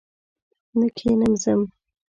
نه کښېنم ځم!